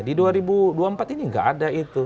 di dua ribu dua puluh empat ini nggak ada itu